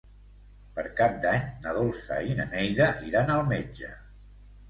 Per Cap d'Any na Dolça i na Neida iran al metge.